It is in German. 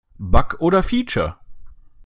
Bug oder Feature?